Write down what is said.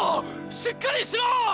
しっかりしろ！